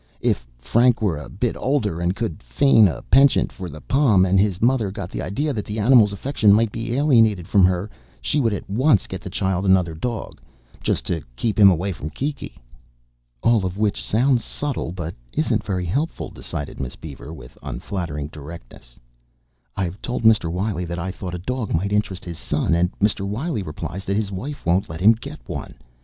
If Frank were a bit older and could feign a penchant for the Pom and his mother got the idea that the animal's affection might be alienated from her, she would at once get the child another dog, just to keep him away from Kiki." "All of which sounds subtle but isn't very helpful," decided Miss Beaver with unflattering directness. "I've told Mr. Wiley that I thought a dog might interest his son and Mr. Wiley replies that his wife won't let him get one.